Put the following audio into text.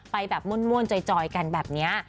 ไปแบบม่วนจอยกันแบบนี้